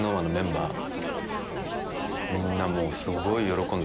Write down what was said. みんなもう。